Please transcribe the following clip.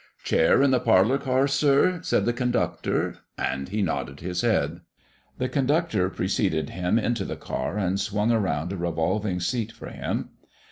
"Chair in the parlor car, sir?" said the conductor, and he nodded his head. The conductor preceded him into the car and swung around a revolving seat for him.